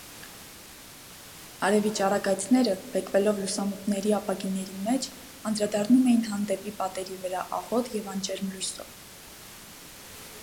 Արևի ճառագայթները՝ բեկվելով լուսամուտների ապակիների մեջ՝ անդրադառնում էին հանդեպի պատերի վրա աղոտ և անջերմ լուսով: